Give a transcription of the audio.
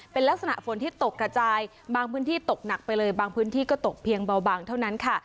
เป็นลักษณะฝนที่ตกกระจายบางพื้นที่ตกหนักไปเลยบางพื้นที่ก็ตกเพียงเบาบางเท่านั้นค่ะ